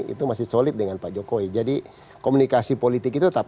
itu masih solid dengan pak jokowi